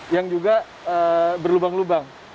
yang juga berlubang lubang